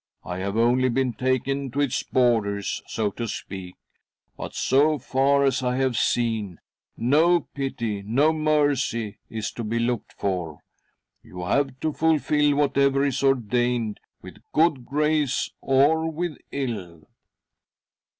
I have only been taken to its borders, so to speak, but, so far as I have seen, no pity, no mercy, is to be looked for — you have to fulfil whatever is ordained, with good grace or with ill."